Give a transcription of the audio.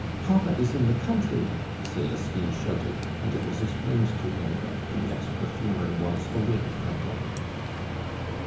"Papa is in the country," Celestine shouted, and it was explained to him that the ex perfumer was away from home.